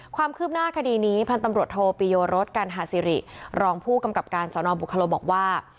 ความคืบหน้าคดีนี้พันธุ์ตำรวจโทปิโยรสกัณหาสิริรองผู้กำกับการสนบุคโลบอกว่า